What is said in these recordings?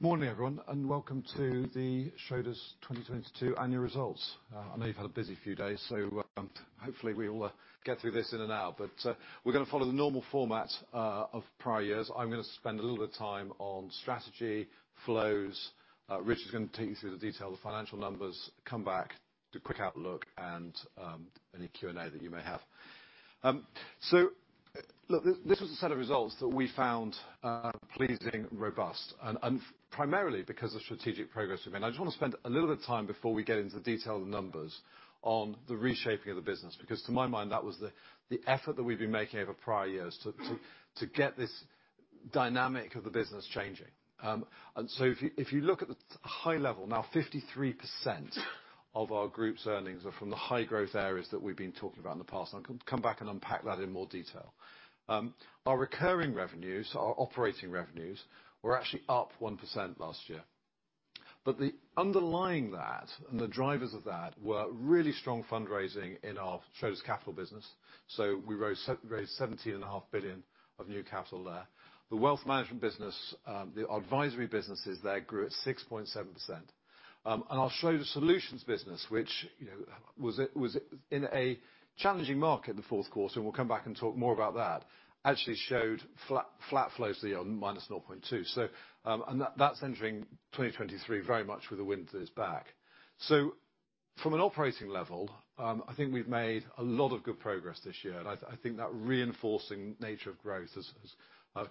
Morning, everyone. Welcome to the Schroders 2022 annual results. I know you've had a busy few days, so hopefully we'll get through this in 1 hour. We're gonna follow the normal format of prior years. I'm gonna spend a little bit of time on strategy, flows. Richard is gonna take you through the detail of the financial numbers, come back, do a quick outlook, and any Q&A that you may have. Look, this was a set of results that we found pleasing, robust, and primarily because of strategic progress we've made. I just wanna spend a little bit of time before we get into the detailed numbers on the reshaping of the business, because to my mind, that was the effort that we've been making over prior years to get this dynamic of the business changing. If you look at the high level now, 53% of our group's earnings are from the high growth areas that we've been talking about in the past. I'll come back and unpack that in more detail. Our recurring revenues, our operating revenues, were actually up 1% last year. The underlying that, and the drivers of that were really strong fundraising in our Schroders Capital business. We raised 17.5 billion of new capital there. The wealth management business, the advisory businesses there, grew at 6.7%. I'll show you the Solutions business, which, you know, was in a challenging market in the fourth quarter, and we'll come back and talk more about that, actually showed flat flows to the year on -0.2%. That's entering 2023 very much with the wind at its back. From an operating level, I think we've made a lot of good progress this year, and I think that reinforcing nature of growth has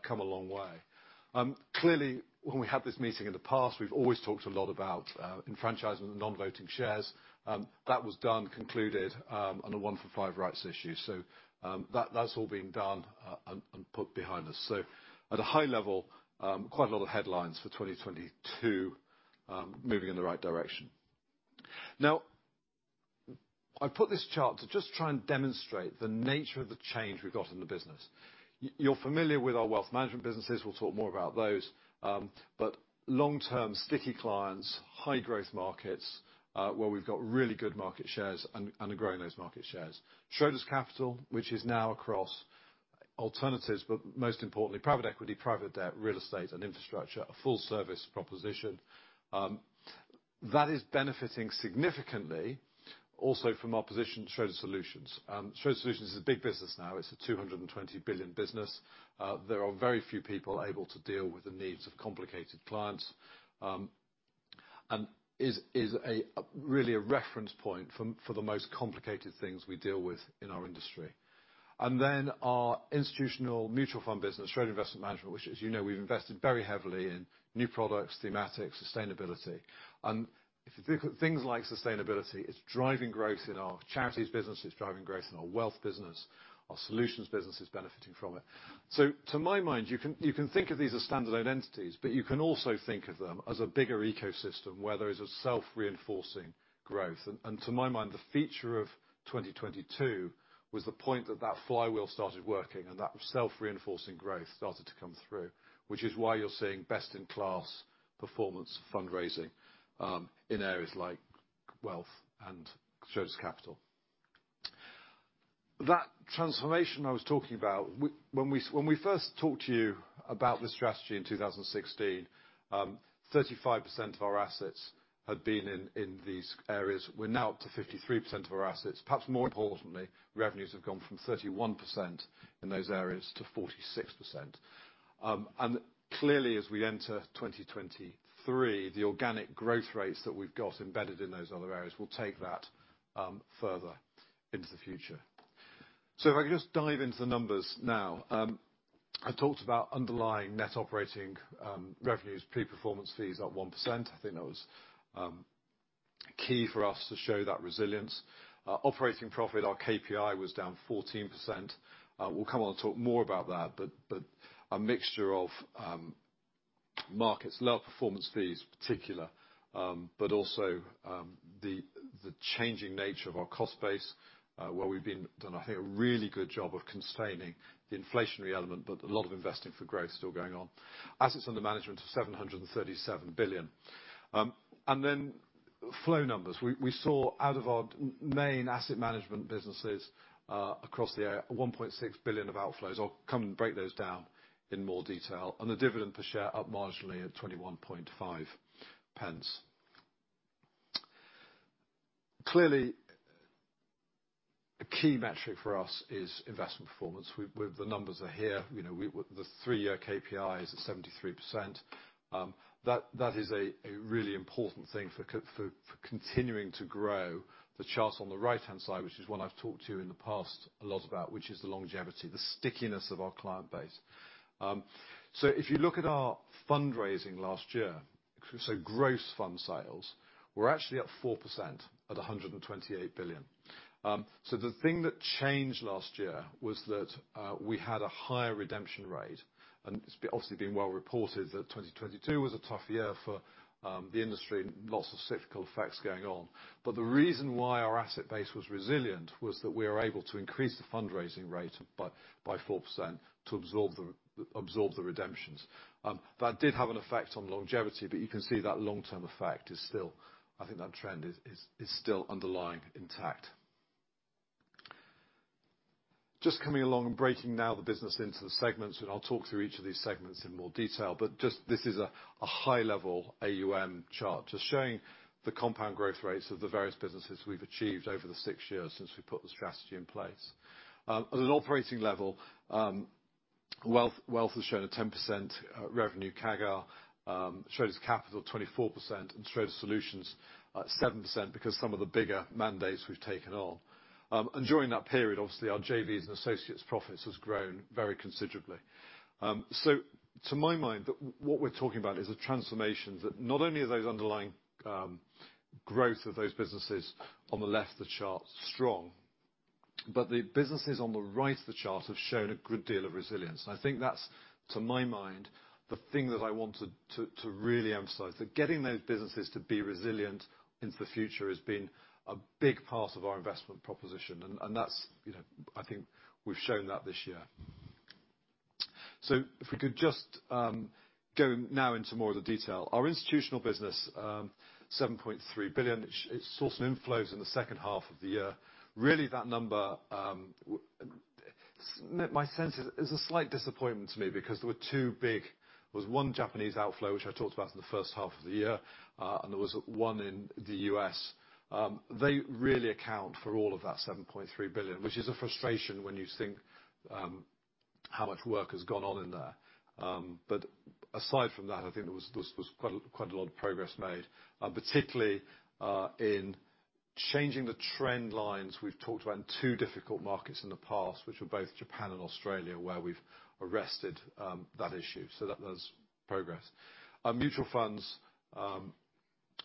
come a long way. Clearly, when we had this meeting in the past, we've always talked a lot about enfranchisement of non-voting shares. That was done, concluded, on a 1 for 5 rights issue. That's all been done and put behind us. At a high level, quite a lot of headlines for 2022, moving in the right direction. I put this chart to just try and demonstrate the nature of the change we've got in the business. You're familiar with our wealth management businesses. We'll talk more about those. Long-term, sticky clients, high growth markets, where we've got really good market shares and are growing those market shares. Schroders Capital, which is now across alternatives, but most importantly, private equity, private debt, real estate and infrastructure, a full service proposition that is benefiting significantly also from our position at Schroders Solutions. Schroders Solutions is a big business now. It's a 220 billion business. There are very few people able to deal with the needs of complicated clients, and is a really a reference point for the most complicated things we deal with in our industry. Our institutional mutual fund business, Schroders Investment Management, which, as you know, we've invested very heavily in new products, thematics, sustainability. If you think of things like sustainability, it's driving growth in our charities business, it's driving growth in our wealth business, our solutions business is benefiting from it. To my mind, you can think of these as standalone entities, but you can also think of them as a bigger ecosystem where there is a self-reinforcing growth. To my mind, the feature of 2022 was the point that that flywheel started working and that self-reinforcing growth started to come through, which is why you're seeing best in class performance fundraising in areas like wealth and Schroders Capital. That transformation I was talking about, when we first talked to you about this strategy in 2016, 35% of our assets had been in these areas. We're now up to 53% of our assets. Perhaps more importantly, revenues have gone from 31% in those areas to 46%. Clearly, as we enter 2023, the organic growth rates that we've got embedded in those other areas will take that further into the future. If I could just dive into the numbers now. I talked about underlying net operating revenues, pre-performance fees up 1%. I think that was key for us to show that resilience. Operating profit, our KPI, well-reported was down 14%. We'll come on and talk more about that, but a mixture of markets, lower performance fees particular, but also the changing nature of our cost base, where we've been, done I think, a really good job of constraining the inflationary element, but a lot of investing for growth still going on. Assets under management of 737 billion. Then flow numbers. We saw out of our main asset management businesses, across the area, 1.6 billion of outflows. I'll come and break those down in more detail. The dividend per share up marginally at 0.215. Clearly, a key metric for us is investment performance. We've The numbers are here. You know, we the 3-year KPI is at 73%. That is a really important thing for continuing to grow. The chart on the right-hand side, which is one I've talked to you in the past a lot about, which is the longevity, the stickiness of our client base. If you look at our fundraising last year, gross fund sales were actually up 4% at 128 billion. The thing that changed last year was that we had a higher redemption rate, and it's obviously been well reported that 2022 was a tough year for the industry, and lots of cyclical effects going on. The reason why our asset base was resilient was that we were able to increase the fundraising rate by 4% to absorb the redemptions. That did have an effect on longevity, but you can see that long-term effect is still, I think that trend is still underlying intact. Just coming along and breaking now the business into the segments, and I'll talk through each of these segments in more detail. Just this is a high-level,, AUM chart, just showing the compound growth rates of the various businesses we've achieved over the 6 years since we put the strategy in place. At an operating level, wealth has shown a 10% revenue CAGR. Schroders Capital 24% and Schroders solutions at 7% because some of the bigger mandates we've taken on. During that period, obviously, our JVs and associates profits has grown very considerably. To my mind, what we're talking about is the transformations that not only are those underlying growth of those businesses on the left of the chart strong, but the businesses on the right of the chart have shown a good deal of resilience. I think that's, to my mind, the thing that I wanted to really emphasize. That getting those businesses to be resilient into the future has been a big part of our investment proposition, and that's, you know, I think we've shown that this year. If we could just go now into more of the detail. Our institutional business, 7.3 billion, it saw some inflows in the second half of the year. Really, that number. My sense is a slight disappointment to me because there were two big... There was one Japanese outflow, which I talked about in the first half of the year, and there was one in the U.S. They really account for all of that 7.3 billion, which is a frustration when you think how much work has gone on in there. Aside from that, I think there was quite a lot of progress made, particularly in changing the trend lines. We've talked about two difficult markets in the past, which were both Japan and Australia, where we've arrested that issue. That was progress. Our mutual funds,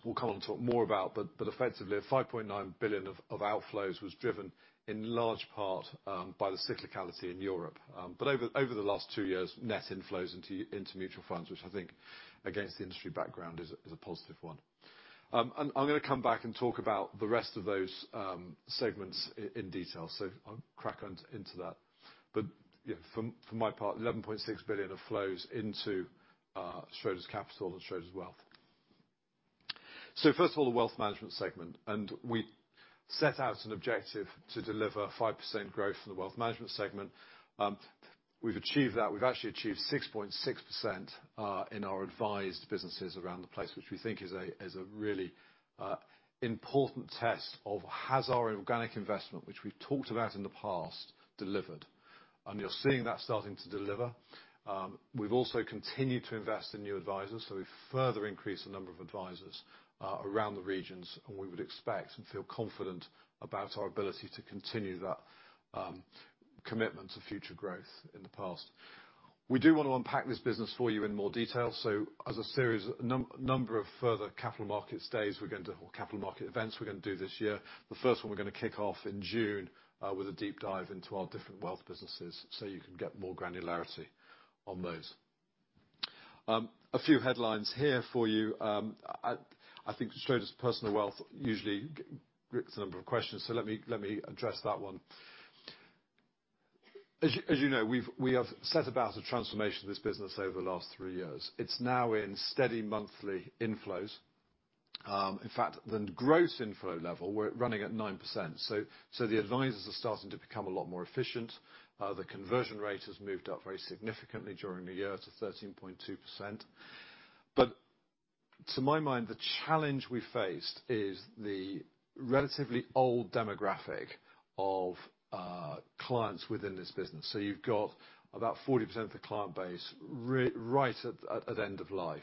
we'll come on and talk more about, but effectively 5.9 billion of outflows was driven in large part by the cyclicality in Europe. Over the last 2 years, net inflows into mutual funds, which I think against the industry background, is a positive one. I'm gonna come back and talk about the rest of those segments in detail, so I'll crack on into that. You know, from my part, 11.6 billion of flows into Schroders Capital and Schroders Wealth. First of all, the wealth management segment. We set out an objective to deliver 5% growth in the wealth management segment. We've achieved that. We've actually achieved 6.6% in our advised businesses around the place, which we think is a really important test of has our organic investment, which we've talked about in the past, delivered. You're seeing that starting to deliver. We've also continued to invest in new advisors, so we've further increased the number of advisors around the regions, and we would expect and feel confident about our ability to continue that commitment to future growth in the past. We do want to unpack this business for you in more detail. As a series, a number of further capital markets days, we're going to or capital market events we're gonna do this year. The first one we're gonna kick off in June with a deep dive into our different wealth businesses, so you can get more granularity on those. A few headlines here for you. I think Schroders Personal Wealth usually gets a number of questions, so let me address that one. As you know, we have set about a transformation of this business over the last 3 years. It's now in steady monthly inflows. In fact, the gross inflow level, we're running at 9%. The advisors are starting to become a lot more efficient. The conversion rate has moved up very significantly during the year to 13.2%. To my mind, the challenge we faced is the relatively old demographic of clients within this business. You've got about 40% of the client base right at end of life.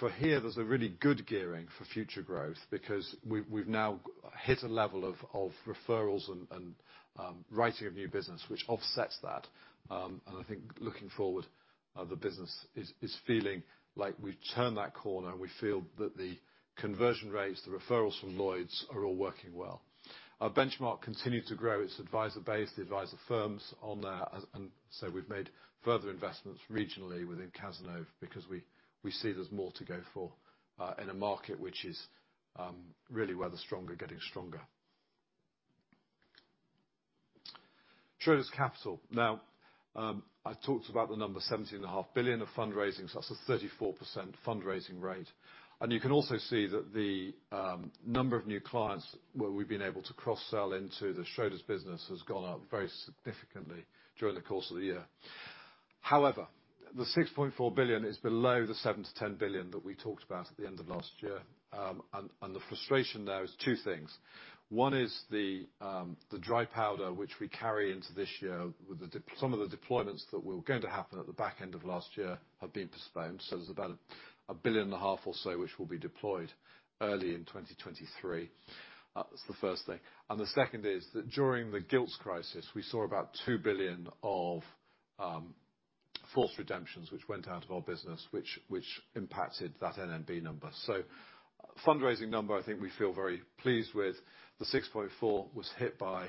For here, there's a really good gearing for future growth because we've now hit a level of referrals and writing of new business which offsets that. I think looking forward, the business is feeling like we've turned that corner, and we feel that the conversion rates, the referrals from Lloyds, are all working well. Our benchmark continued to grow its advisor base, the advisor firms on there. We've made further investments regionally within Cazenove because we see there's more to go for in a market which is really where the stronger getting stronger. Schroders Capital. Now, I talked about the number 17.5 billion of fundraising, so that's a 34% fundraising rate. You can also see that the number of new clients where we've been able to cross-sell into the Schroders business has gone up very significantly during the course of the year. However, the 6.4 billion is below the 7 billion-10 billion that we talked about at the end of last year. The frustration there is two things. One is the dry powder, which we carry into this yea, with some of the deployments that were going to happen at the back end of last year have been postponed, so there's about a billion and a half GBP or so which will be deployed early in 2023. That's the first thing. The second is that during the gilts crisis, we saw about 2 billion of false redemptions which went out of our business, which impacted that NNB number. Fundraising number, I think we feel very pleased with. The 6.4 billion was hit by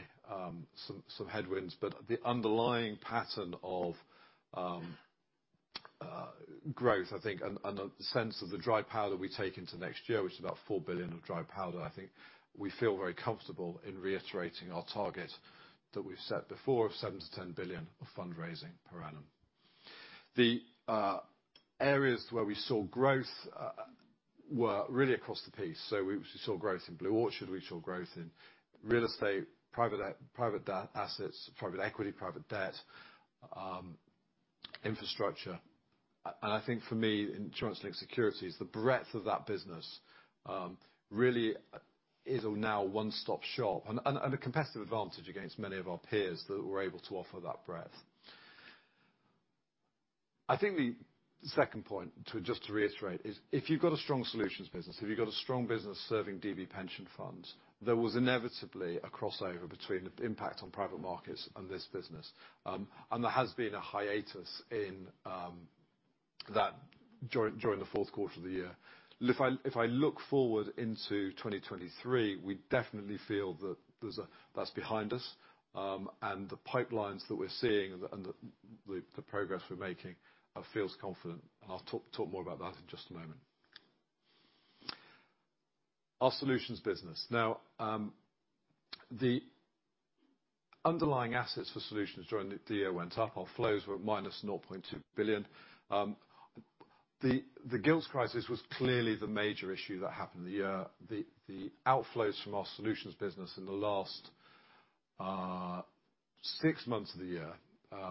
some headwinds. The underlying pattern of growth, I think, and a sense of the dry powder we take into next year, which is about 4 billion of dry powder, I think we feel very comfortable in reiterating our target that we've set before of 7 billion-10 billion of fundraising per annum. The areas where we saw growth were really across the piece. We saw growth in BlueOrchard, we saw growth in real estate, private assets, private equity, private debt, infrastructure. I think for me, in Trust and Securities, the breadth of that business really is now a one-stop shop and a competitive advantage against many of our peers that we're able to offer that breadth. I think the second point, to just to reiterate, is if you've got a strong Solutions business, if you've got a strong business serving DB pension funds, there was inevitably a crossover between the impact on private markets and this business. There has been a hiatus in that during the fourth quarter of the year. If I look forward into 2023, we definitely feel that that's behind us. The pipelines that we're seeing and the progress we're making feels confident. I'll talk more about that in just a moment. Our Solutions business. Now, the underlying assets for Solutions during the year went up. Our flows were -0.2 billion. The gilts crisis was clearly the major issue that happened in the year. The outflows from our solutions business in the last six months of the year,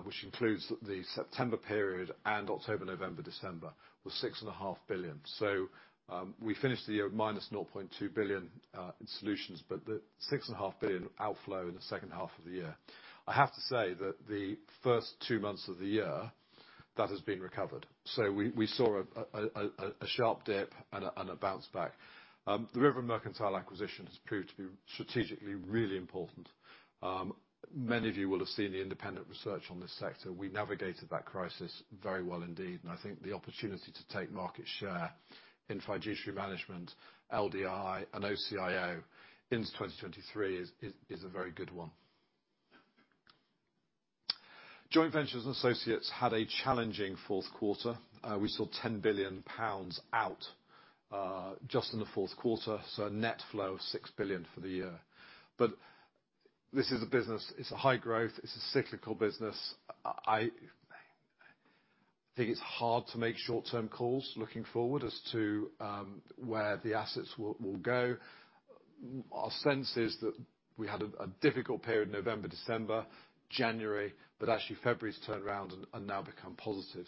which includes the September period and October, November, December, was six and a half billion. We finished the year at -0.2 billion in solutions, but the six and a half billion outflow in the second half of the year. I have to say that the first two months of the year, that has been recovered. We saw a sharp dip and a bounce back. The River and Mercantile acquisition has proved to be strategically really important. Many of you will have seen the independent research on this sector. We navigated that crisis very well indeed. I think the opportunity to take market share in fiduciary management, LDI, high-growth, and OCIO into 2023 is a very good one. Joint ventures and associates had a challenging fourth quarter. We saw 10 billion pounds out just in the fourth quarter, a net flow of 6 billion for the year. This is a business, it's a high growth, it's a cyclical business. I think it's hard to make short-term calls looking forward as to where the assets will go. Our sense is that we had a difficult period November, December, January, actually February's turned around and now become positive.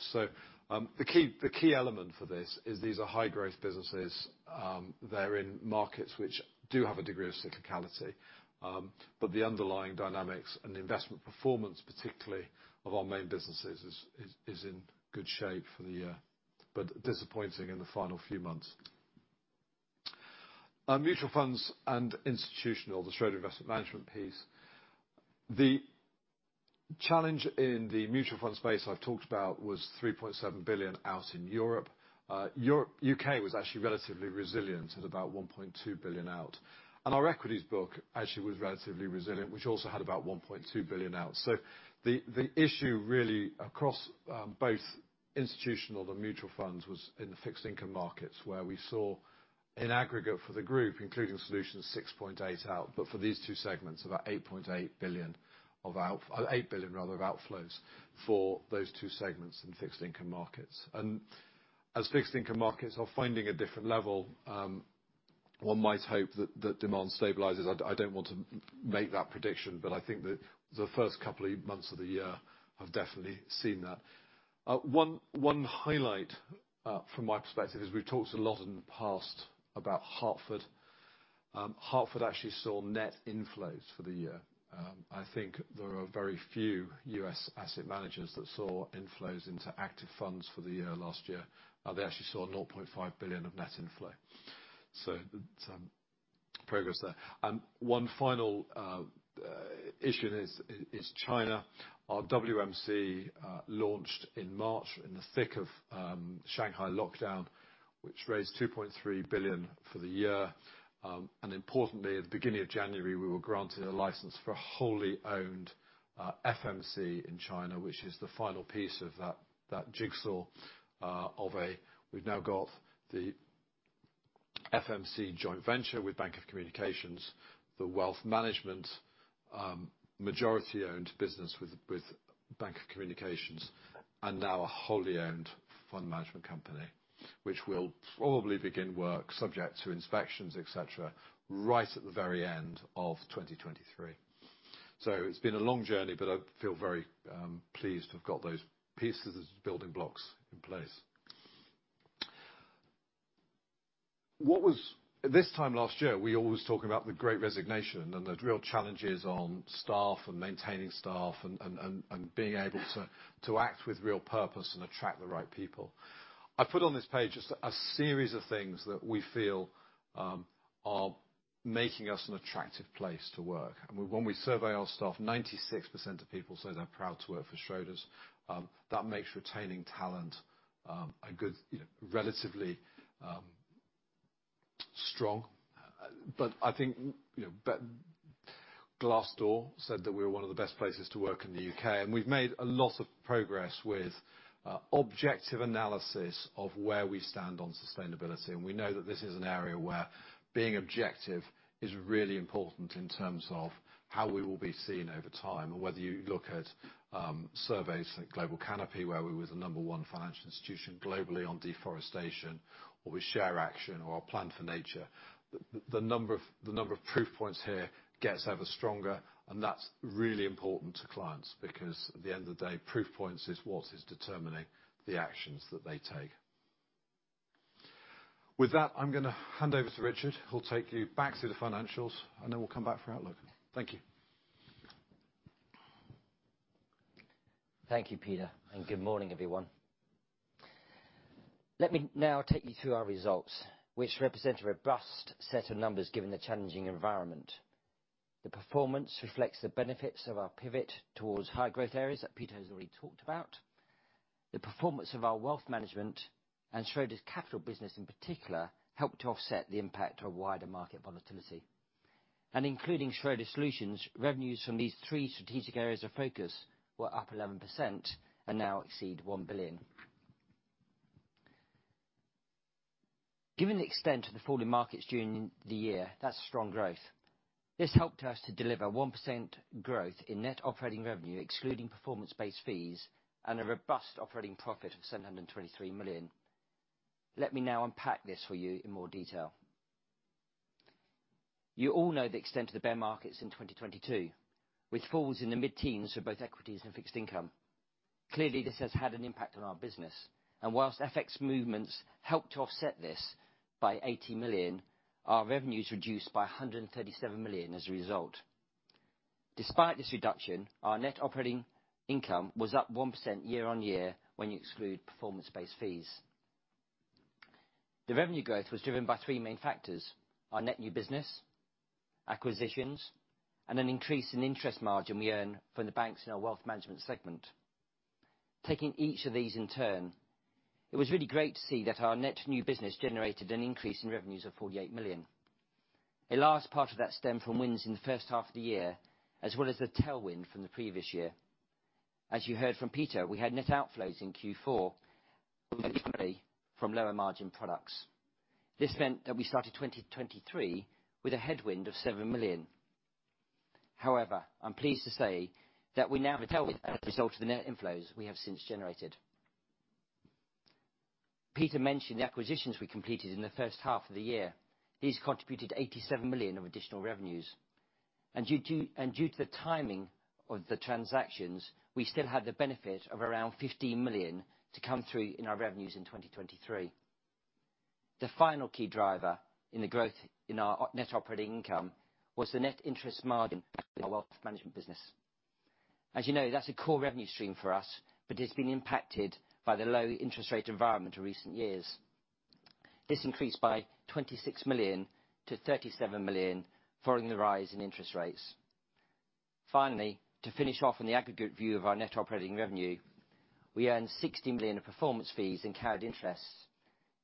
The key element for this is these are high-growth businesses. They're in markets which do have a degree of cyclicality. The underlying dynamics and investment performance, particularly of our main businesses, is in good shape for the year, but disappointing in the final few months. On mutual funds and institutional, the straight investment management piece, the challenge in the mutual fund space I've talked about was 3.7 billion out in Europe. UK was actually relatively resilient at about 1.2 billion out. Our equities book actually was relatively resilient, which also had about 1.2 billion out. The issue really across both institutional and mutual funds was in the fixed income markets, where we saw in aggregate for the group, including solutions, 6.8 billion out. For these two segments, about 8 billion, rather, of outflows for those two segments in fixed income markets. As fixed income markets are finding a different level, one might hope that demand stabilizes. I don't want to make that prediction, but I think that the first couple of months of the year have definitely seen that. One highlight from my perspective is we've talked a lot in the past about Hartford. Hartford actually saw net inflows for the year. I think there are very few U.S. asset managers that saw inflows into active funds for the year, last year. They actually saw $0.5 billion of net inflow. Some progress there. One final issue is China. Our WMC launched in March in the thick of Shanghai lockdown, which raised 2.3 billion for the year. Importantly, at the beginning of January, we were granted a license for a wholly owned FMC in China, which is the final piece of that jigsaw, we've now got the FMC joint venture with Bank of Communications, the wealth management, majority-owned business with Bank of Communications, and now a wholly owned fund management company, which will probably begin work subject to inspections, et cetera, right at the very end of 2023. It's been a long journey, but I feel very pleased to have got those pieces, those building blocks in place. This time last year, we always talk about the great resignation and the real challenges on staff and maintaining staff and being able to act with real purpose and attract the right people. I put on this page just a series of things that we feel are making us an attractive place to work. When we survey our staff, 96% of people say they're proud to work for Schroders. That makes retaining talent, a good, you know, relativelyOutlookhigh-growth strong. I think, you know, Glassdoor said that we were one of the best places to work in the UK, and we've made a lot of progress with objective analysis of where we stand on sustainability. We know that this is an area where being objective is really important in terms of how we will be seen over time. Whether you look at surveys like Global Canopy, where we were the number one financial institution globally on deforestation, or with ShareAction, or our plan for nature. The number of proof points here gets ever stronger. That's really important to clients because at the end of the day, proof points is what is determining the actions that they take. With that, I'm gonna hand over to Richard, who'll take you back through the financials. Then we'll come back for outlook. Thank you. Thank you, Peter, and good morning, everyone. Let me now take you through our results, which represent a robust set of numbers given the challenging environment. The performance reflects the benefits of our pivot towards low-interest-rate, full-year areas that Peter has already talked about. The performance of our wealth management and Schroders Capital business in particular, helped to offset the impact of wider market volatility. Including Schroders Solutions, revenues from these three strategic areas of focus were up 11% and now exceed 1 billion. Given the extent of the falling markets during the year, that's strong growth. This helped us to deliver 1% growth in net operating revenue, excluding performance-based fees, and a robust operating profit of 723 million. Let me now unpack this for you in more detail. You all know the extent of the bear markets in 2022, which falls in the mid-teens for both equities and fixed income. Clearly, this has had an impact on our business. Whilst FX movements helped to offset this by 80 million, our revenues reduced by 137 million as a result. Despite this reduction, our net operating income was up 1% year-on-year when you exclude performance-based fees. The revenue growth was driven by 3 main factors: our net new business, acquisitions, and an increase in interest margin we earn from the banks in our wealth management segment. Taking each of these in turn, it was really great to see that our net new business generated an increase in revenues of 48 million. A large part of that stemmed from wins in the first half of the year, as well as the tailwind from the previous year. As you heard from Peter, we had net outflows in Q4, from lower margin products. This meant that we started 2023 with a headwind of 7 million. I'm pleased to say that we now as a result of the net inflows we have since generated. Peter mentioned the acquisitions we completed in the first half of the year. These contributed 87 million of additional revenues. Due to the timing of the transactions, we still had the benefit of around 15 million to come through in our revenues in 2023. The final key driver in the growth in our net operating income was the net interest margin in our wealth management business. As you know, that's a core revenue stream for us, but it's been impacted by the low interest rate environment of recent years. This increased by 26 million to 37 million following the rise in interest rates. To finish off on the aggregate view of our net operating revenue, we earned 60 million of performance fees and carried interests.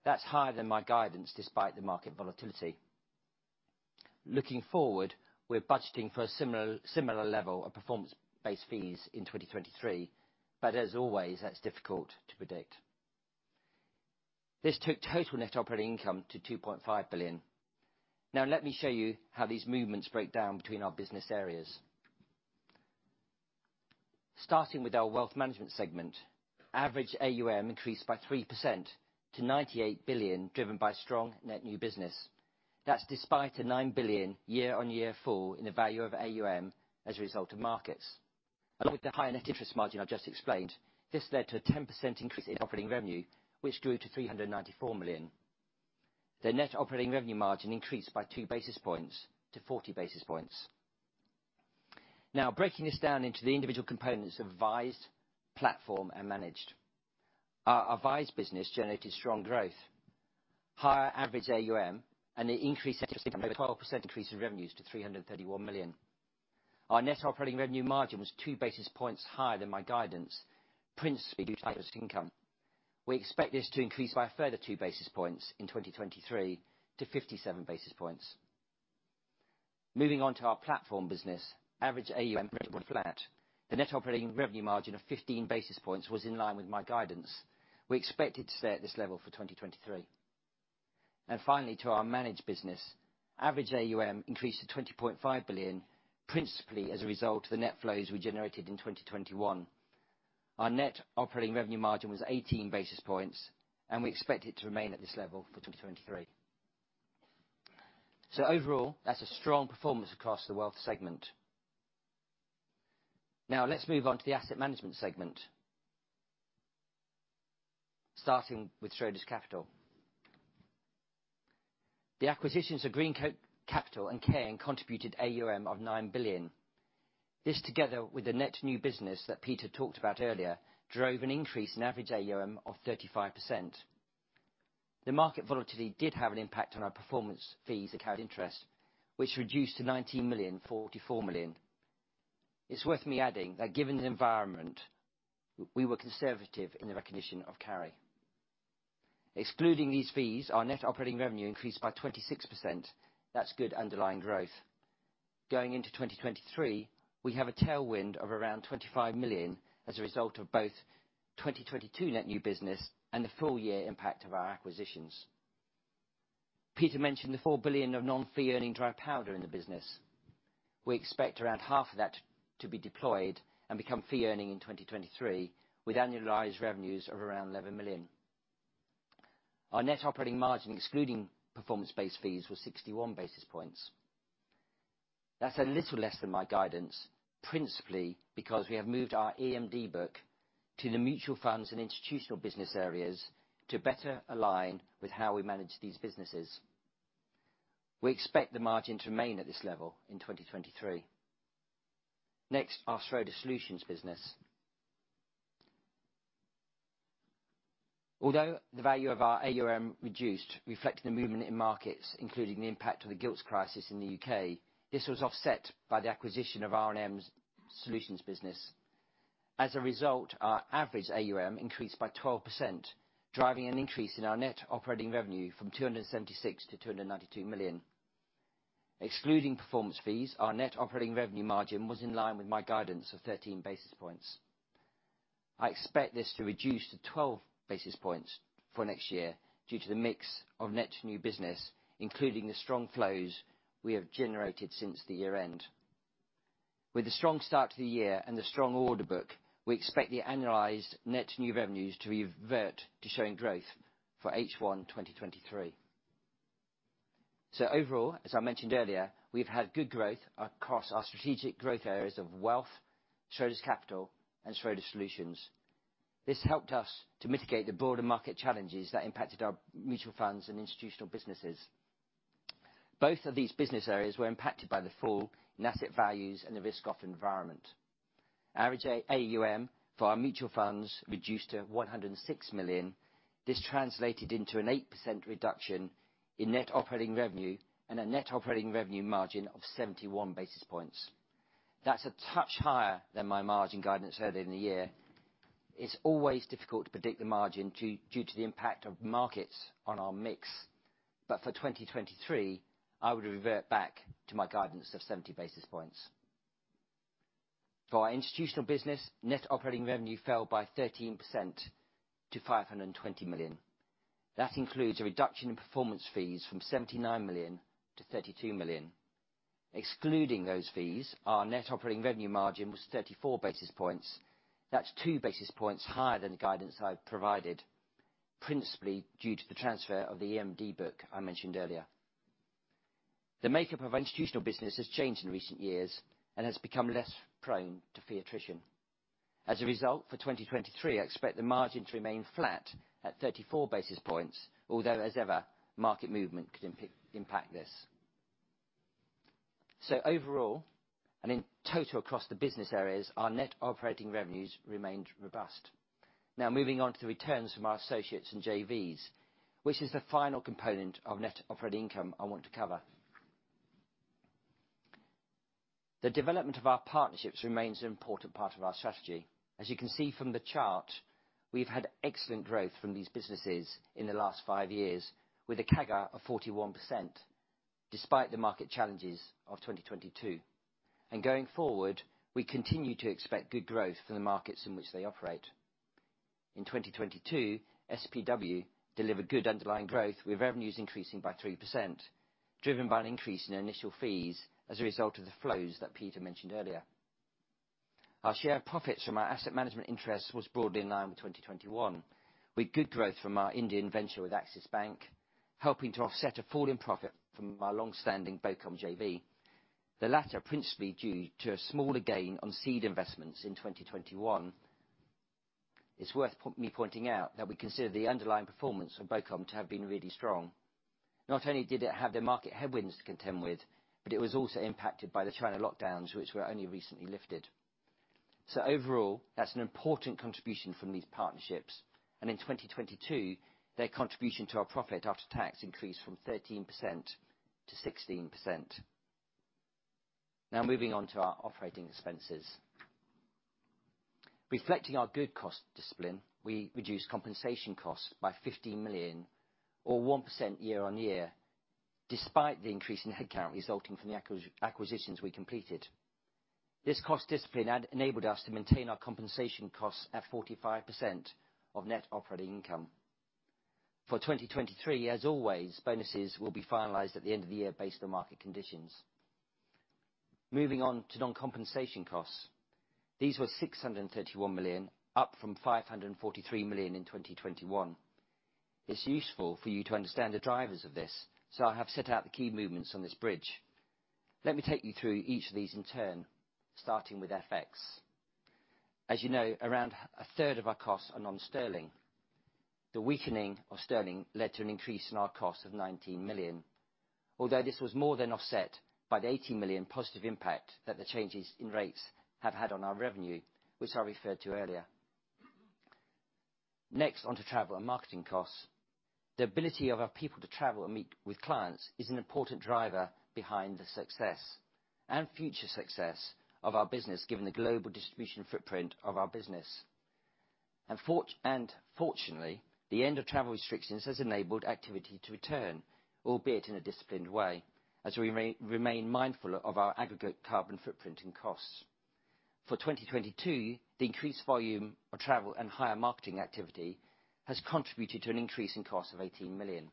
That's higher than my guidance despite the market volatility. Looking forward, we're budgeting for a similar level of performance-based fees in 2023, but as always, that's difficult to predict. This took total net operating income to 2.5 billion. Let me show you how these movements break down between our business areas. Starting with our wealth management segment, average AUM increased by 3% to 98 billion, driven by strong net new business. That's despite a 9 billion year-on-year fall in the value of AUM as a result of markets. Along with the higher net interest margin I just explained, this led to a 10% increase in operating revenue, which grew to 394 million. The net operating revenue margin increased by 2 basis points to 40 basis points. Breaking this down into the individual components of advised, platform, and managed. Our advised business generated strong growth, higher average AUM, and an over 12% increase in revenues to 331 million. Our net operating revenue margin was 2 basis points higher than my guidance, principally due to interest income. We expect this to increase by a further 2 basis points in 2023 to 57 basis points. Moving on to our platform business. Average AUM remained flat. The net operating revenue margin of 15 basis points was in line with my guidance. We expect it to stay at this level for 2023. Finally, to our managed business. Average AUM increased to 20.5 billion, principally as a result of the net flows we generated in 2021. Our net operating revenue margin was 18 basis points, and we expect it to remain at this level for 2023. Overall, that's a strong performance across the wealth segment. Now let's move on to the asset management segment, starting with Schroders Capital. The acquisitions of Greencoat Capital and Cairn contributed AUM of 9 billion. This, together with the net new business that Peter talked about earlier, drove an increase in average AUM of 35%. The market volatility did have an impact on our performance fees and carried interest, which reduced to 90 million from 44 million. It's worth me adding that given the environment, we were conservative in the recognition of carry. Excluding these fees, our net operating revenue increased by 26%. That's good underlying growth. Going into 2023, we have a tailwind of around 25 million as a result of both 2022 net new business and the full year impact of our acquisitions. Peter mentioned the 4 billion of non-fee-earningfee-earning, dry powder in the business. We expect around half of that to be deployed and become fee earning in 2023, with annualized revenues of around 11 million. Our net operating margin excluding performance-based fees was 61 basis points. That's a little less than my guidance, principally because we have moved our EMD book to the mutual funds and institutional business areas to better align with how we manage these businesses. We expect the margin to remain at this level in 2023. Our Schroders Solutions business. Although the value of our AUM reduced, reflecting the movement in markets, including the impact of the gilts crisis in the U.K., this was offset by the acquisition of R&M's Solutions business. Our average AUM increased by 12%, driving an increase in our net operating revenue from 276 million to 292 million. Excluding performance fees, our net operating revenue margin was in line with my guidance of 13 basis points. I expect this to reduce to 12 basis points for next year due to the mix of net new business, including the strong flows we have generated since the year end. With the strong start to the year and the strong order book, we expect the annualized net new revenues to revert to showing growth for H1 2023. Overall, as I mentioned earlier, we've had good growth across our strategic growth areas of wealth, Schroders CapitalAUM, and Schroders Solutions. This helped us to mitigate the broader market challenges that impacted our mutual funds and institutional businesses. Both of these business areas were impacted by the fall in asset values and the risk-off environment. Average A-AUM for our mutual funds reduced to 106 million. This translated into an 8% reduction in net operating revenue and a net operating revenue margin of 71 basis points. That's a touch higher than my margin guidance earlier in the year. It's always difficult to predict the margin due to the impact of markets on our mix. For 2023, I would revert back to my guidance of 70 basis points. For our institutional business, net operating revenue fell by 13% to 520 million. That includes a reduction in performance fees from 79 million to 32 million. Excluding those fees, our net operating revenue margin was 34 basis points. That's 2 basis points higher than the guidance I've provided, principally due to the transfer of the EMD book I mentioned earlier. The makeup of our institutional business has changed in recent years and has become less prone to fee attrition. As a result, for 2023, I expect the margin to remain flat at 34 basis points, although as ever, market movement could impact this. Overall, and in total across the business areas, our net operating revenues remained robust. Moving on to the returns from our associates and JVs, which is the final component of net operating income I want to cover. The development of our partnerships remains an important part of our strategy. As you can see from the chart, we've had excellent growth from these businesses in the last five years with a CAGR of 41%, despite the market challenges of 2022. Going forward, we continue to expect good growth for the markets in which they operate. In 2022, SPW delivered good underlying growth, with revenues increasing by 3%, driven by an increase in initial fees as a result of the flows that Peter mentioned earlier. Our share of profits from our asset management interest was broadly in line with 2021, with good growth from our Indian venture with Axis Bank, helping to offset a fall in profit from our long-standing BoCom JV, the latter principally due to a smaller gain on seed investments in 2021. It's worth me pointing out that we consider the underlying performance of BoCom to have been really strong. Not only did it have the market headwinds to contend with, but it was also impacted by the China lockdowns, which were only recently lifted. Overall, that's an important contribution from these partnerships. In 2022, their contribution to our profit after tax increased from 13% to 16%. Moving on to our operating expenses. Reflecting our good cost discipline, we reduced compensation costs by 15 million or 1% year-on-year, despite the increase in headcount resulting from the acquisitions we completed. This cost discipline had enabled us to maintain our compensation costs at 45% of net operating income. For 2023, as always, bonuses will be finalized at the end of the year based on market conditions. Moving on to non-compensation costs. These were 631 million, up from 543 million in 2021. It's useful for you to understand the drivers of this. I have set out the key movements on this bridge. Let me take you through each of these in turn, starting with FX. As you know, around a third of our costs are non-sterling. The weakening of sterling led to an increase in our cost of 19 million, although this was more than offset by the 18 million positive impact that the changes in rates have had on our revenue, which I referred to earlier. Onto travel and marketing costs. The ability of our people to travel and meet with clients is an important driver behind the success. Future success of our business, given the global distribution footprint of our business. Fortunately, the end of travel restrictions has enabled activity to return, albeit in a disciplined way, as we remain mindful of our aggregate carbon footprint and costs. For 2022, the increased volume of travel and higher marketing activity has contributed to an increase in cost of 18 million.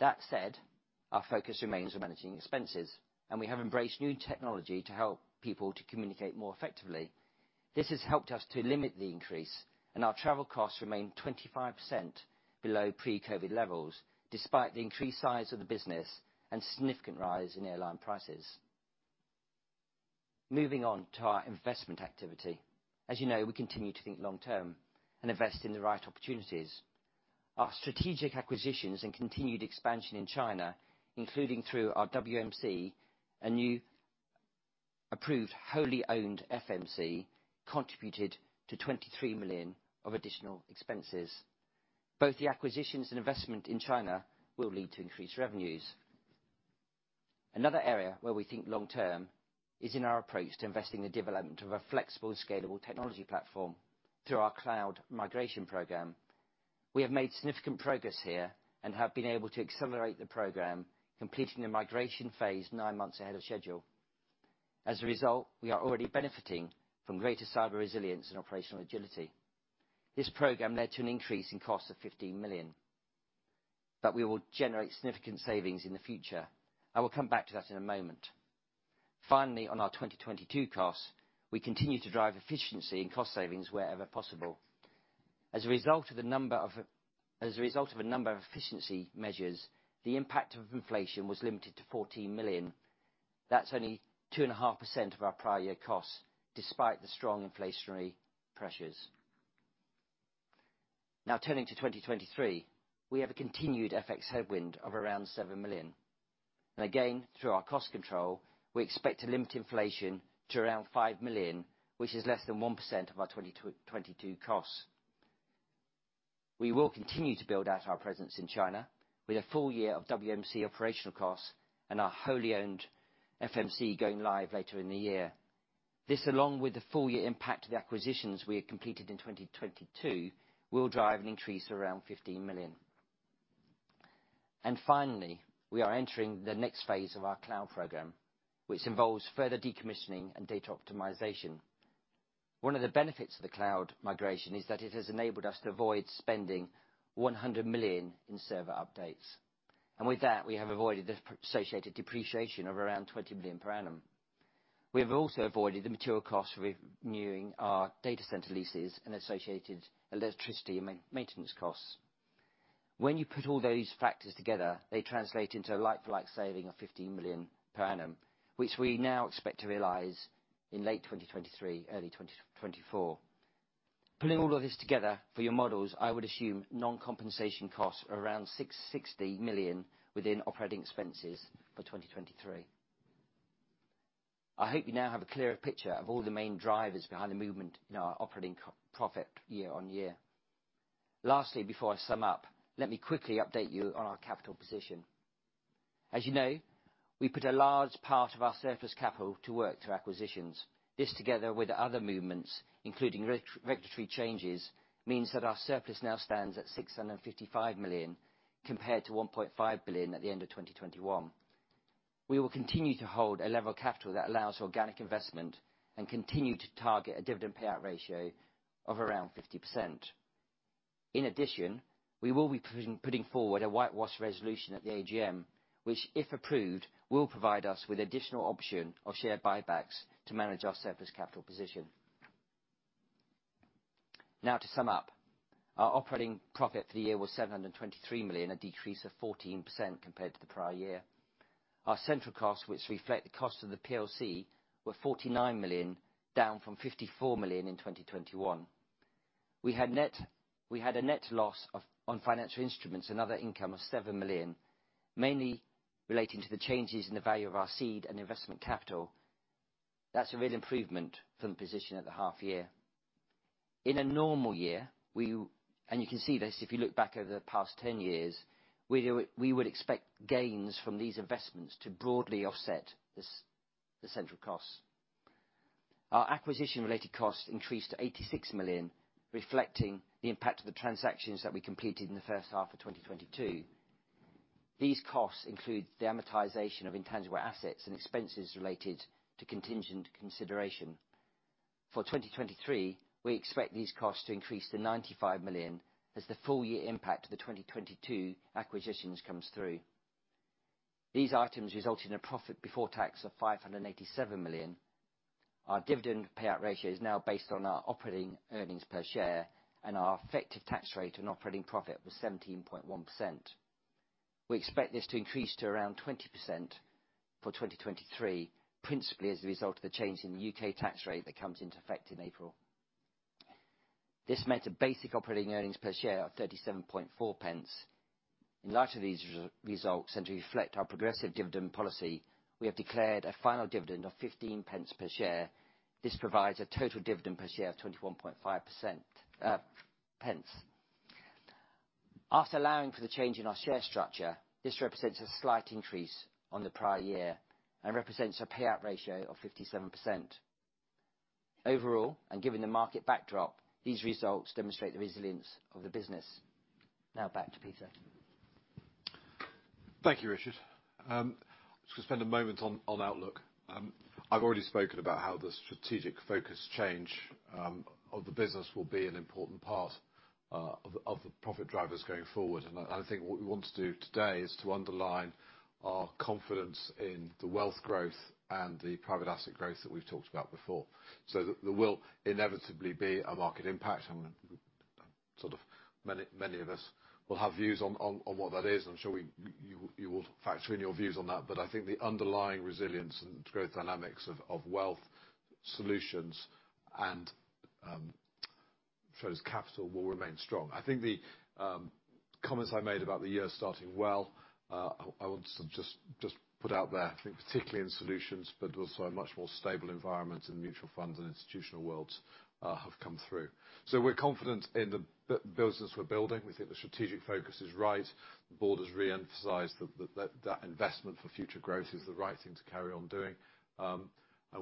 That said, our focus remains on managing expenses. We have embraced new technology to help people to communicate more effectively. This has helped us to limit the increase. Our travel costs remain 25% below pre-COVID levels, despite the increased size of the business and significant rise in airline prices. Moving on to our investment activity. high-growth, full-service, best-in-class. As youJustnon-fee-earning know, we continue to think long term and invest in the right opportunities. Our strategic acquisitions and continued expansion in China, including through our WMC, a new approved, wholly-owned FMC, contributed to 23 million of additional expenses. Both the acquisitions and investment in China will lead to increased revenues. Another area where we think long-term is in our approach to investing the development of a flexible and scalable technology platform through our cloud migration program. We have made significant progress here and have been able to accelerate the program, completing the migration phase 9 months ahead of schedule. As a result, we are already benefiting from greater cyber resilience and operational agility. This program led to an increase in cost of 15 million. We will generate significant savings in the future. I will come back to that in a moment. Finally, on our 2022 costs, we continue to drive efficiency and cost savings wherever possible. As a result of a number of efficiency measures, the impact of inflation was limited to 14 million. That's only 2.5% of our prior year costs, despite the strong inflationary pressures. Now turning to 2023, we have a continued FX headwind of around 7 million. Through our cost control, we expect to limit inflation to around 5 million, which is less than 1% of our 2022 costs. We will continue to build out our presence in China with a full year of WMC operational costs and our wholly owned FMC going live later in the year. This, along with the full-year impact of the acquisitions we had completed in 2022, will drive an increase of around 15 million. Finally, we are entering the next phase of our cloud program, which involves further decommissioning and data optimization. One of the benefits of the cloud migration is that it has enabled us to avoid spending 100 million in server updates. With that, we have avoided the associated depreciation of around 20 million per annum. We have also avoided the material costs of renewing our data center leases and associated electricity and maintenance costs. When you put all those factors together, they translate into a like-for-like saving of 15 million per annum, which we now expect to realize in late 2023, early 2024. Putting all of this together for your models, I would assume non-compensation costs are around 660 million within operating expenses for 2023. I hope you now have a clearer picture of all the main drivers behind the movement in our operating profit year-over-year. Lastly, before I sum up, let me quickly update you on our capital position. As you know, we put a large part of our surplus capital to work through acquisitions. This, together with other movements, including regulatory changes, means that our surplus now stands at 655 million, compared to 1.5 billion at the end of 2021. We will continue to hold a level of capital that allows organic investment and continue to target a dividend payout ratio of around 50%. In addition, we will be putting forward a whitewash resolution at the AGM, which, if approved, will provide us with additional option of share buybacks to manage our surplus capital position. To sum up. Our operating profit for the year was 723 million, a decrease of 14% compared to the prior year. Our central costs, which reflect the cost of the PLC, were 49 million, down from 54 million in 2021. We had a net loss of on financial instruments and other income of 7 million, mainly relating to the changes in the value of our seed and investment capital. That's a real improvement from the position at the half year. In a normal year, you can see this if you look back over the past 10 years; full-yearJust we would expect gains from these investments to broadly offset the central costs. Our acquisition-related costs increased to 86 million, reflecting the impact of the transactions that we completed in the first half of 2022. These costs include the amortization of intangible assets and expenses related to contingent consideration. For 2023, we expect these costs to increase to 95 million as the full year impact of the 2022 acquisitions comes through. These items result in a profit before tax of 587 million. Our dividend payout ratio is now based on our operating earnings per share. Our effective tax rate on operating profit was 17.1%. We expect this to increase to around 20% for 2023, principally as a result of the change in the UK tax rate that comes into effect in April. This meant a basic operating earnings per share of 37.4 pence. In light of these results, to reflect our progressive dividend policy, we have declared a final dividend of 15 pence per share. This provides a total dividend per share of 21.5 pence. After allowing for the change in our share structure, this represents a slight increase on the prior year and represents a payout ratio of 57%. Overall, given the market backdrop, these results demonstrate the resilience of the business. Now back to Peter. Thank you, Richard. just gonna spend a moment on Outlook full-year. Just as. I've already spoken about how the strategic focus change of the business will be an important part of the profit drivers going forward. I think what we want to do today is to underline our confidence in the wealth growth and the private asset growth that we've talked about before. There will inevitably be a market impact, and sort of many of us will have views on what that is. I'm sure you will factor in your views on that. I think the underlying resilience and growth dynamics of wealth solutions and Schroders Capital will remain strong. I think the comments I made about the year starting well, I want to sort of put out there, I think particularly in Solutions, but also a much more stable environment in mutual funds and institutional worlds, have come through. We're confident in the business we're building. We think the strategic focus is right. The board has re-emphasized that investment for future growth is the right thing to carry on doing.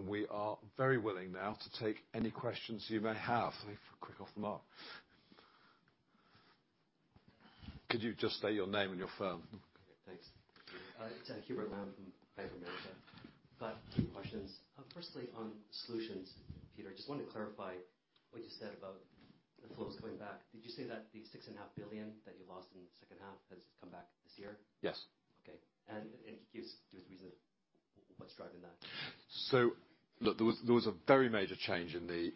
We are very willing now to take any questions you may have. Ready for quick off the mark. Could you just state your name and your firm? Okay, thanks. It's Hubert Lam from Bank of America. I've got two questions. Firstly, on Solutions. Peter, just want to clarify what you said about the flows coming back. Did you say that the six and a half billion that you lost in the second half has come back this year? Yes. Okay. Can you give us the reasons what's driving that? Look, there was a very major change in the,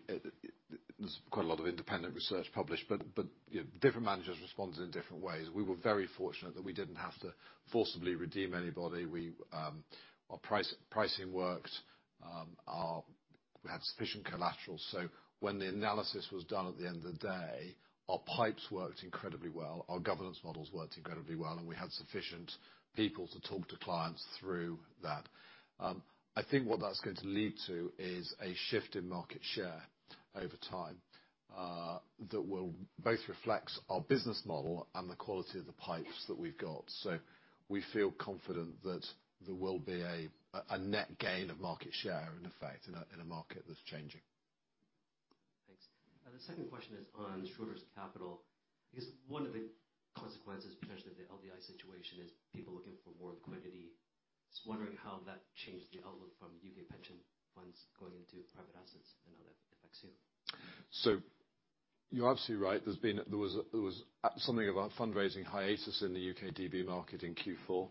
there's quite a lot of independent research published, but, you know, different managers responded in different ways. We were very fortunate that we didn't have to forcibly redeem anybody. We, our price-pricing worked. We had sufficient collateral. When the analysis was done at the end of the day, our pipes worked incredibly well, our governance models worked incredibly well, and we had sufficient people to talk to clients through that. I think what that's going to lead to is a shift in market share over time, that will both reflect our business model and the quality of the pipes that we've got. We feel confident that there will be a net gain of market share in effect in a market that's changing. Thanks. The second question is on Schroders Capital. I guess one of the consequences potentially of the LDI situation is people looking for more liquidity. Just wondering how that changed the outlook from UK pension funds going into private assets and how that affects you. You're absolutely right. There was something of a fundraising hiatus in the UK DB market in Q4.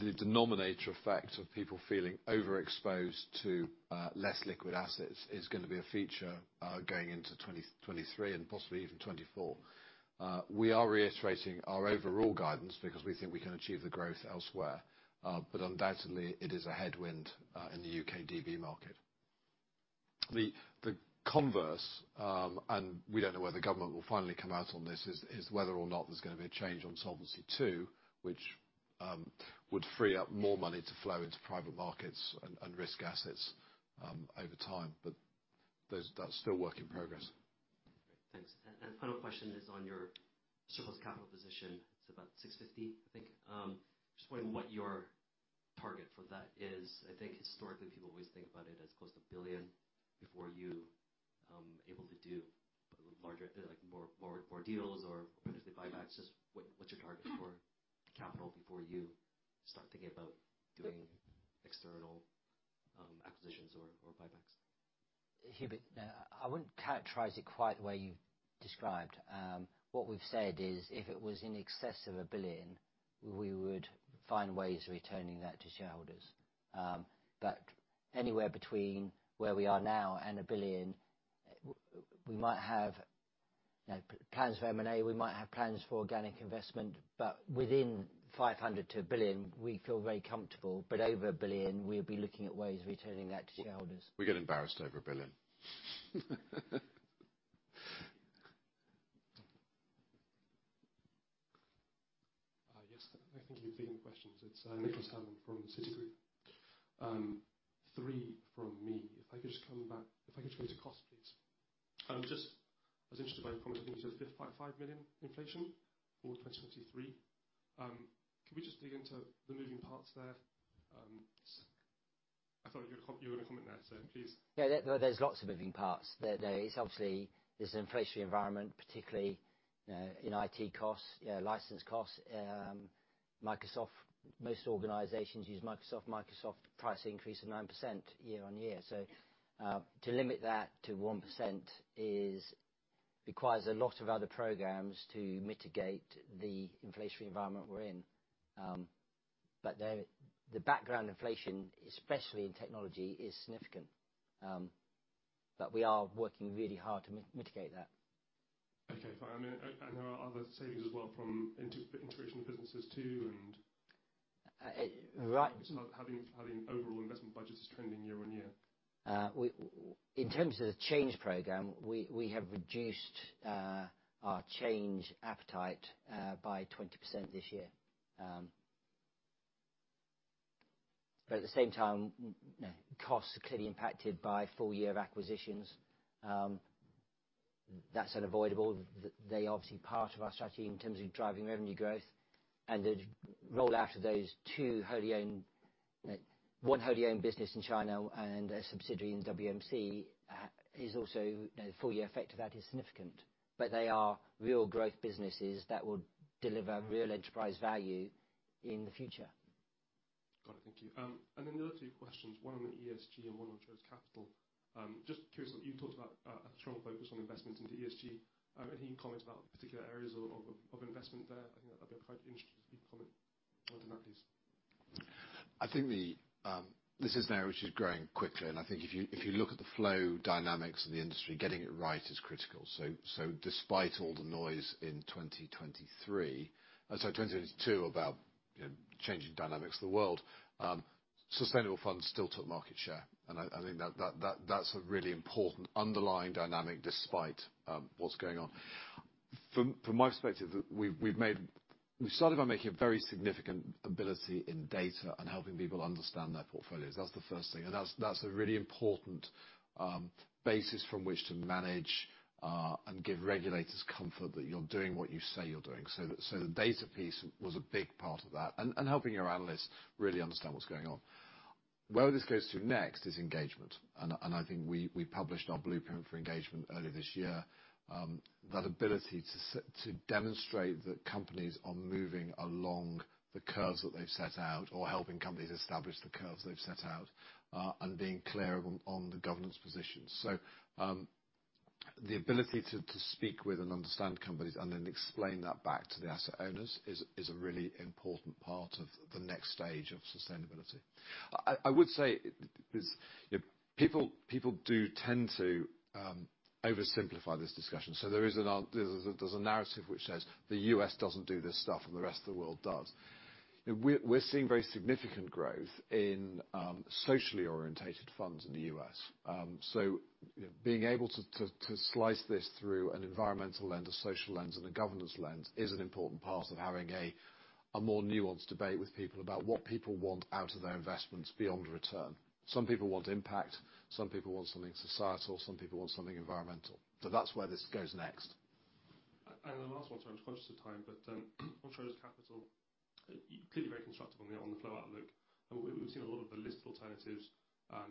The denominator effect of people feeling overexposed to less liquid assets is gonna be a feature going into 2023 and possibly even 2024. We are reiterating our overall guidance because we think we can achieve the growth elsewhere. Undoubtedlyfull-yewe've,? What,,. Where, It is a headwind in the UK DB market. The converse, and we don't know whether the government will finally come out on this, is whether or not there's gonna be a change on Solvency II, which would free up more money to flow into private markets and risk assets over time. That's still work in progress. Great. Thanks. Final question is on your surplus capital position. It's about 650, I think. Just wondering what your target for that is. I think historically people always think about it as close to 1 billion before you, able to do larger, like more deals or potentially buybacks. What's your target for capital before you start thinking about doing external, acquisitions or buybacks? Hubert, I wouldn't characterize it quite the way you described. What we've said is if it was in excess of 1 billion, we would find ways of returning that to shareholders. Anywhere between where we are now and 1 billion, we might have, you know, plans for M&A, we might have plans for organic investment, but within 500 million-1 billion, we feel very comfortable. Over 1 billion, we'll be looking at ways of returning that to shareholders. We get embarrassed over 1 billion. Yes. I think you've been questions. It's Nicholas Herman from Citigroup. Three from me. If I could just go to cost, please. Just I was interested by your comment. I think you said 55 million inflation for 2023. Can we just dig into the moving parts there? I thought you were gonna comment there, so please. Yeah, there's lots of moving parts. There is obviously this inflationary environment, particularly in IT costs, license costs. Microsoft, most organizations use Microsoft. Microsoft price increase of 9% year on year. To limit that to 1% is requires a lot of other programs to mitigate the inflationary environment we're in. The background inflation, especially in technology, is significant. We are working really hard to mitigate that. Okay, fine. There are other savings as well from integration of businesses too. Right.... how the overall investment budget is trending year on year. In terms of the change program, we have reduced our change appetite by 20% this year. At the same time, you know, costs are clearly impacted by full year acquisitions. That's unavoidable. They are obviously part of our strategy in terms of driving revenue growth. The rollout of those two wholly owned, one wholly owned business in China and a subsidiary in WMC, is also, you know, the full year effect of that is significant. They are real growth businesses that will deliver real enterprise value in the future. Got it. Thank you. The other 2 questions, one on the ESG and one on Schroders Capital. Just curious, you talked about a strong focus on investments into ESG. Any comments about the particular areas of investment there? I think that'd be quite interesting to get a comment on that, please. I think the, this is an area which is growing quickly, and I think if you, if you look at the flow dynamics of the industry, getting it right is critical. Despite all the noise in 2023, sorry, 2022, about, you know, changing dynamics of the world, sustainable funds still took market share. I think that's a really important underlying dynamic, despite what's going on. From my perspective, We've started by making a very significant ability in data and helping people understand their portfolios. That's the first thing, and that's a really important basis from which to manage and give regulators comfort that you're doing what you say you're doing. The data piece was a big part of that and helping your analysts really understand what's going on. Where this goes to next is engagement. I think we published our blueprint for engagement earlier this year. That ability to demonstrate that companies are moving along the curves that they've set out, or helping companies establish the curves they've set out, and being clear on the governance position. The ability to speak with and understand companies and then explain that back to the asset owners is a really important part of the next stage of sustainability. I would say is, you know, people do tend to oversimplify this discussion. There is a narrative which says the US doesn't do this stuff and the rest of the world does. You know, we're seeing very significant growth in socially orientated funds in the US. You know, being able to, to slice this through an environmental lens, a social lens, and a governance lens is an important part of having a more nuanced debate with people about what people want out of their investments beyond return. Some people want impact, some people want something societal, some people want something environmental. That's where this goes next. The last one, sorry, I'm conscious of time, but on Schroders Capital, you're clearly very constructive on the flow outlook. We've seen a lot of the listed alternatives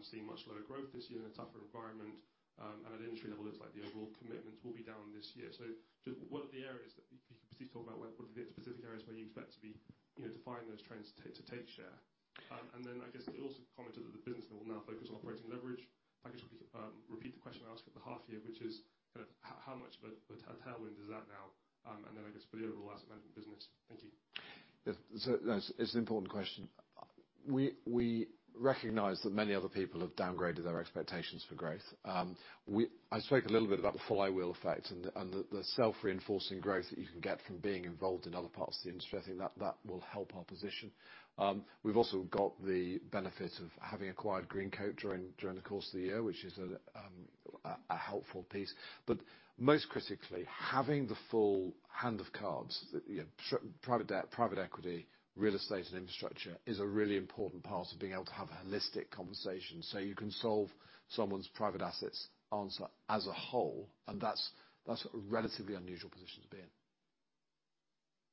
seeing much lower growth this year in a tougher environment. At an industry level, it looks like the overall commitments will be down this year. Just what are the areas that you could please talk about what are the specific areas where you expect to be, you know, defining those trends to take share? I guess you also commented that the business will now focus on operating leverage. If I could just repeat the question I asked at the half year, which is kind of how much of a tailwind is that now? I guess for the overall asset management business. Thank you. It's an important question. We recognize that many other people have downgraded their expectations for growth. I spoke a little bit about the flywheel effect and the self-reinforcing growth that you can get from being involved in other parts of the industry. I think that will help our position. We've also got the benefit of having acquired Greencoat during the course of the year, which is a helpful piece. Most critically, having the full hand of cards that, you know, private debt, private equity, real estate and infrastructure is a really important part of being able to have a holistic conversation so you can solve someone's private assets answer as a whole, and that's a relatively unusual position to be in.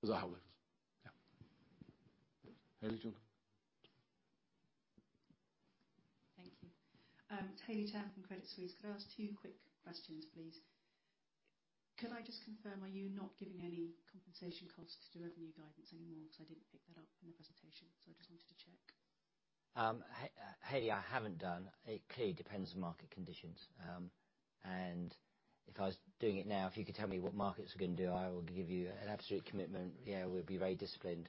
Does that help? Yeah. Haley, do you want to go? Thank you. Haley Tam from Credit Suisse. Could I ask two quick questions, please? Could I just confirm, are you not giving any compensation costs to revenue guidance anymore? 'Cause I didn't pick that up in the presentation, so I just wanted to check. Haley, I haven't done. It clearly depends on market conditions. If I was doing it now, if you could tell me what markets are gonna do, I will give you an absolute commitment. Yeah, we'll be very disciplined.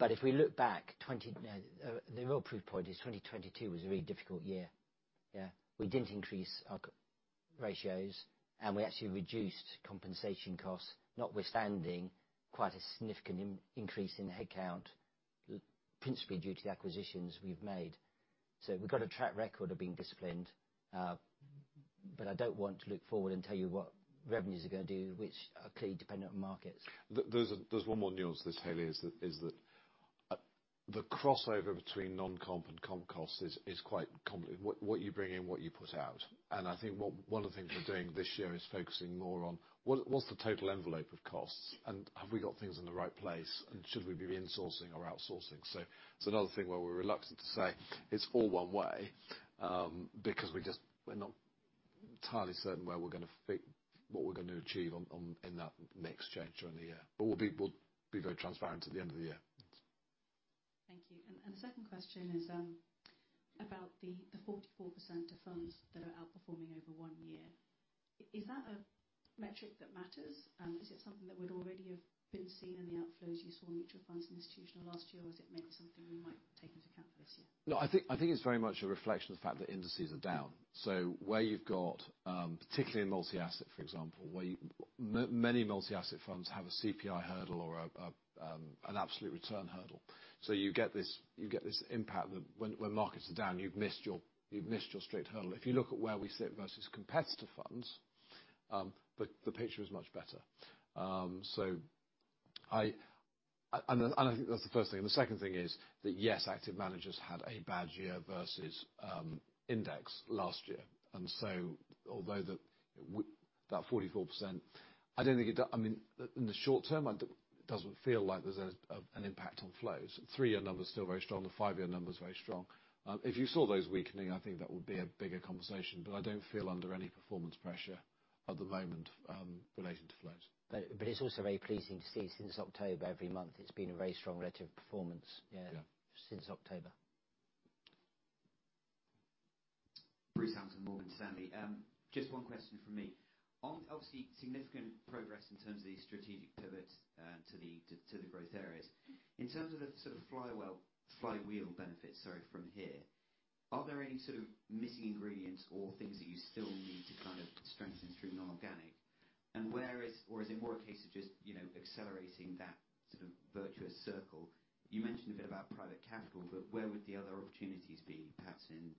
If we look back 20, the real proof point is 2022 was a really difficult year. Yeah. We didn't increase our ratios, and we actually reduced compensation costs, notwithstanding quite a significant increase in headcount, principally due to the acquisitions we've made. We've got a track record of being disciplined, but I don't want to look forward and tell you what revenues are gonna do, which are clearly dependent on markets. There's one more nuance to this, Haley, is that the crossover between non-comp and comp costs is quite common. What you bring in, what you put out. I think one of the things we're doing this year is focusing more on what's the total envelope of costs, and have we got things in the right place, and should we be insourcing or outsourcing? It's another thing where we're reluctant to say it's all one way, because we're not entirely certain where we're gonna fit, what we're gonna achieve on in that mix change during the year. We'll be very transparent at the end of the year. Thank you. The second question is about the 44% of funds that are outperforming over 1 year. Is that a metric that matters? Is it something that would already have been seen in the outflows you saw in mutual funds institutional last year? Is it maybe something we might take into account for this year? No, I think it's very much a reflection of the fact that indices are down. Where you've got, particularly in multi-asset, for example, where many multi-asset funds have a CPI hurdle or an absolute return hurdle. You get this impact that when markets are down, you've missed your straight hurdle. If you look at where we sit versus competitor funds, the picture is much better. I think that's the first thing. The second thing is that, yes, active managers had a bad year versus index last year. Although that 44%, I don't think it I mean, in the short term, it doesn't feel like there's an impact on flows. 3-year number is still very strong. The 5-year number is very strong. If you saw those weakening, I think that would be a bigger conversation. I don't feel under any performance pressure at the moment, related to flows. It's also very pleasing to see since October, every month it's been a very strong relative performance. Yeah. Since October. Bruce Hamilton from Morgan Stanley. Just one question from me. Obviously, significant progress in terms of the strategic pivot to the growth areas. In terms of the sort of flywheel benefits, sorry, from here, are there any sort of missing ingredients or things that you still need to kind of strengthen through non-organic? Where is... Or is it more a case of just, you know, accelerating that sort of virtuous circle? You mentioned a bit about private capital, where would the other opportunities be? Perhaps in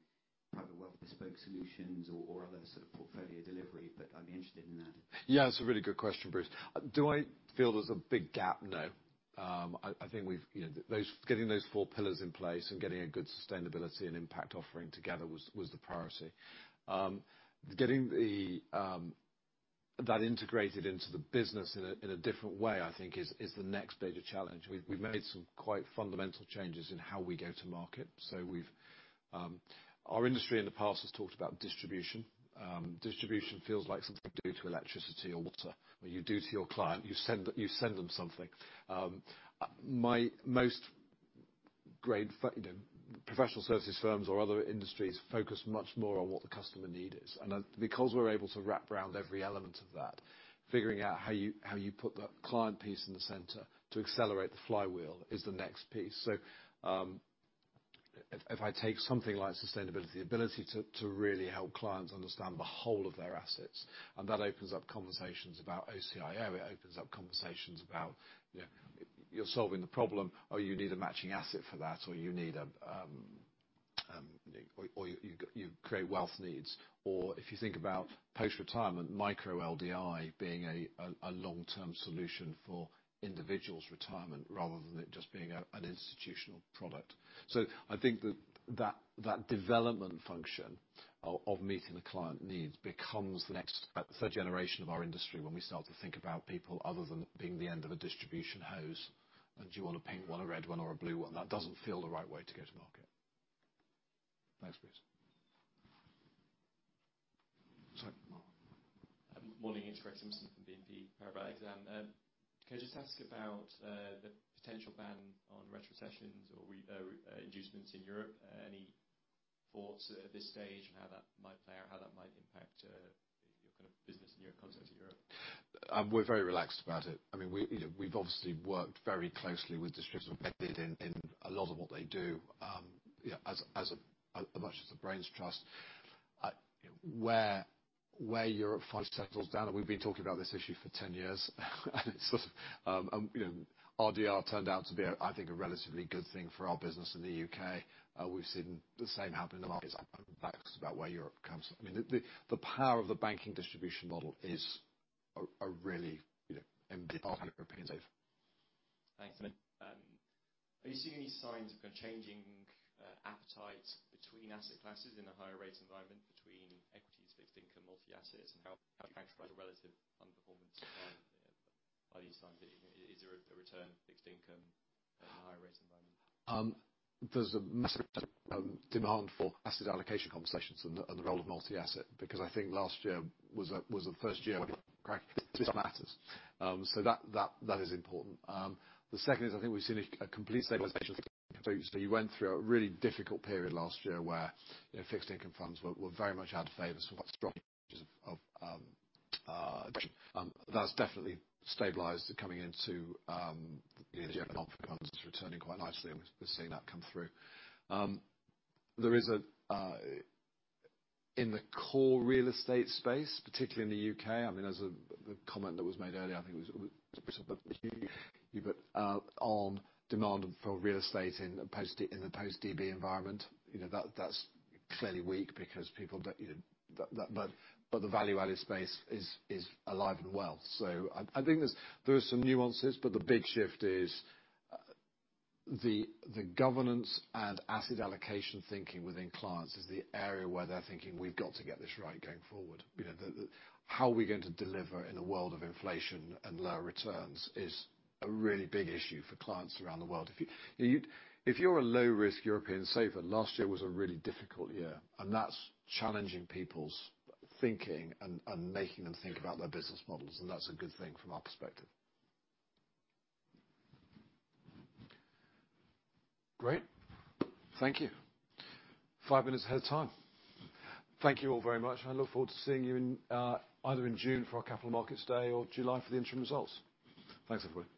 private wealth bespoke solutions or other sort of portfolio delivery, I'd be interested in that. Yeah, it's a really good question, Bruce. Do I feel there's a big gap? No. I think we've, you know, getting those 4 pillars in place and getting a good sustainability and impact offering together was the priority. Getting the that integrated into the business in a different way, I think is the next bigger challenge. We've made some quite fundamental changes in how we go to market. Our industry in the past has talked about distribution. Distribution feels like something you do to electricity or water, or you do to your client. You send them something. You know, professional services firms or other industries focus much more on what the customer need is. Because we're able to wrap around every element of that, figuring out how you put the client piece in the center to accelerate the flywheel is the next piece. If I take something like sustainability, ability to really help clients understand the whole of their assets, and that opens up conversations about OCIO. It opens up conversations about, you know, you're solving the problem, or you need a matching asset for that, or you need, or you create wealth needs. If you think about post-retirement micro LDI being a long-term solution for individuals' retirement rather than it just being an institutional product. I think that development function of meeting the client needs becomes the next third generation of our industry when we start to think about people other than being the end of a distribution hose. Do you want a pink one, a red one, or a blue one? That doesn't feel the right way to go to market. Thanks, Bruce. Sorry. Morning. It's Gregory Simpson from BNP Paribas Exane. Can I just ask about the potential ban on retrocessions or inducements in Europe? Any thoughts at this stage on how that might play or how that might impact your kind of business and your concepts in Europe? We're very relaxed about it. I mean, we, you know, we've obviously worked very closely with distributors embedded in a lot of what they do, you know, as a, as much as the brains trust. Where Europe finally settles down, and we've been talking about this issue for 10 years, and it's sort of, you know, RDR turned out to be, I think, a relatively good thing for our business in the UK. We've seen the same happen in the markets about where Europe comes. I mean, the power of the banking distribution model is a really, you know, uncertain. Thanks. Are you seeing any signs of changing appetite between asset classes in a higher rate environment between equities, fixed income, multi-assets? How do you factor the relative underperformance by these times? Is there a return fixed income at a higher rate environment? There's a massive demand for asset allocation conversations and the role of multi-asset, because I think last year was the first year when it cracked. This matters. That is important. The second is, I think we've seen a complete stabilization. You went through a really difficult period last year where, you know, fixed-income funds were very much out of favor. Uncertain that's definitely stabilized coming into, you know, the year. Non-fund is returning quite nicely, and we're seeing that come through. There is a in the core real estate space, particularly in the UK, I mean, as a comment that was made earlier, I think it was on demand for real estate in the post-DB environment, you know, that's clearly weak because people don't even. The value-added space is alive and well. I think there's, there are some nuances, but the big shift is the governance and asset allocation thinking within clients is the area where they're thinking, "We've got to get this right going forward." You know, the how are we going to deliver in a world of inflation and low returns is a really big issue for clients around the world. If you. If you're a low-risk European saver, last year was a really difficult year, and that's challenging people's thinking and making them think about their business models, and that's a good thing from our perspective. Great. Thank you. 5 minutes ahead of time. Thank you all very much. I look forward to seeing you in either in June for our Capital Markets Day or July for the interim results. Thanks, everyone.